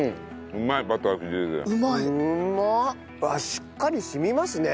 しっかり染みますね。